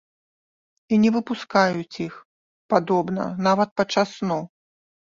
І не выпускаюць іх, падобна, нават падчас сну.